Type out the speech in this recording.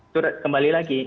tuh kembali lagi